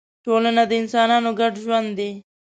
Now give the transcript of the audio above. ټولنه د انسانانو ګډ ژوند دی.